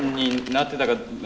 ・なってた！